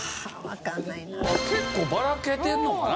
結構ばらけてるのかな？